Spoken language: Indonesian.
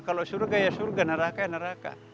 kalau syurga ya syurga neraka ya neraka